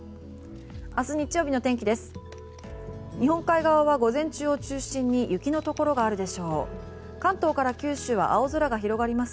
明日日曜日の天気です。